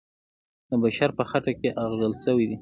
د بشر په خټه کې اغږل سوی دی.